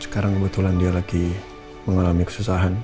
sekarang kebetulan dia lagi mengalami kesusahan